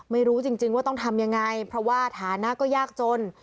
ไม่รู้จริงว่าต้องทำยังไงเพราะว่าฐานะก็ยากจน